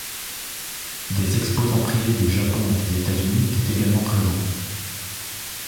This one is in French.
Des exposants privés du Japon et des États-Unis étaient également présents.